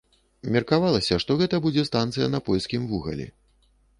Меркавалася, што гэта будзе станцыя на польскім вугалі.